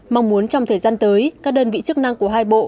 mong muốn trong thời gian tới các đơn vị chức năng của hai bộ